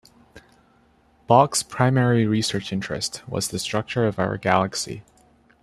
Bok's primary research interest was the structure of our galaxy.